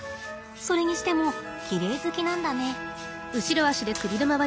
それにしてもきれい好きなんだね。